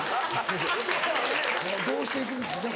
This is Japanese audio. どうしていくんですか